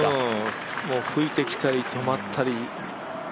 吹いてきたり止まったり。